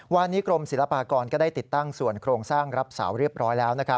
วันนี้กรมศิลปากรก็ได้ติดตั้งส่วนโครงสร้างรับเสาเรียบร้อยแล้ว